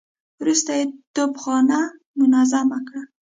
وروسته يې توپخانه منظمه کړه.